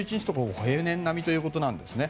平年並みということですね。